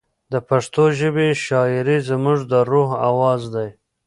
د پښتو ژبې شاعري زموږ د روح اواز دی.